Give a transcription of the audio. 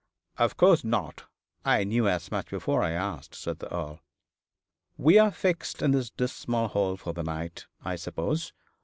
'Of course not. I knew as much before I asked,' said the Earl. 'We are fixed in this dismal hole for the night, I suppose.